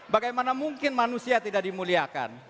bagaimana mungkin manusia tidak dimuliakan